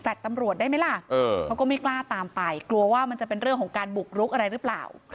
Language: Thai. ตำรวจได้ไหมล่ะเขาก็ไม่กล้าตามไปกลัวว่ามันจะเป็นเรื่องของการบุกรุกอะไรหรือเปล่า